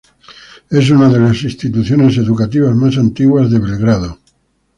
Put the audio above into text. Es una de las instituciones educativas más antiguas de Belgrado.